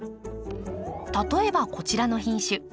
例えばこちらの品種。